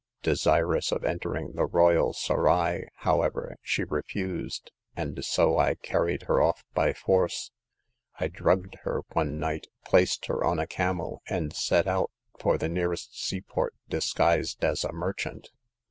Desirous of entering the royal serail, however, she refused, and so I carried her off by force. I drugged her one night, placed her on a camel, and set out for the nearest seaport disguised as a merchant.